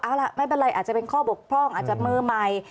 เอาล่ะไม่เป็นไรอาจจะเป็นข้อบกพร่องอาจจะมือใหม่